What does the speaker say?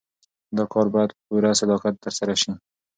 دا کار باید په پوره صداقت ترسره سي.